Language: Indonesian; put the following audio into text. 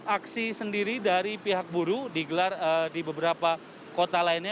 aksi sendiri dari pihak buruh digelar di beberapa kota lainnya